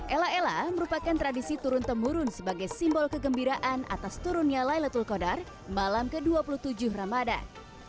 ella ella merupakan tradisi turun temurun sebagai simbol kegembiraan atas turunnya laylatul qadar malam ke dua puluh tujuh ramadan